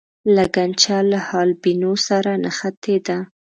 لګنچه له حالبینو سره نښتې ده.